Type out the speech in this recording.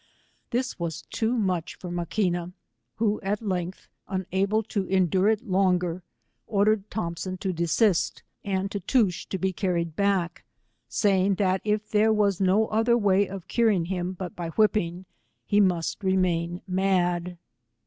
This was too much for Maquina, who, at lengh, unable to eiodure it longer, ordered Thompson to desist, and Tootoosch to be carried back, saying that if there was no other way of curing him but by whipping, he must remain mad.